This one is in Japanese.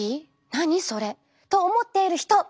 何それ？と思っている人！